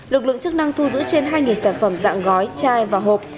lực lượng chức năng thu giữ trên hai sản phẩm dạng gói chai và hộp